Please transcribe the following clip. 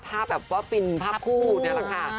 ภาพแบบว่าฟินภาพคู่นี่แหละค่ะ